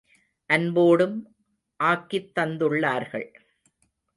அன்போடும் ஆக்கித் தந்துள்ளார்கள்.